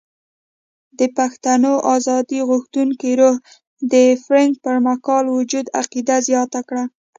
د پښتنو ازادي غوښتونکي روح د فرنګ پر مکار وجود عقیده زیاته کړه.